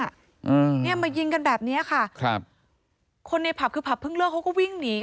อืมเนี้ยมายิงกันแบบเนี้ยค่ะครับคนในผับคือผับเพิ่งเลิกเขาก็วิ่งหนี